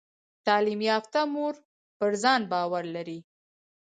تعلیم یافته مور پر ځان باور لري۔